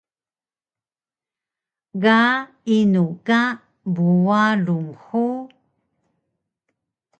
Ga inu ka Buarung hug?